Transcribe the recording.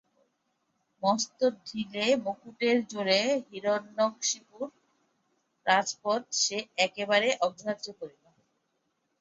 মস্ত ঢিলে মুকুটের জোরে হিরণ্যকশিপুর রাজপদ সে একেবারে অগ্রাহ্য করিল।